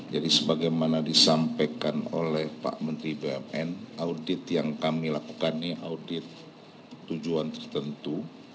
jadi sebagaimana disampaikan oleh pak menteri bumn audit yang kami lakukan ini audit tujuan tertentu